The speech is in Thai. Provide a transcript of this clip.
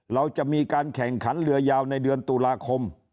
เราจะมีการแข่งขันเรือยาวในเดือนตุลาคม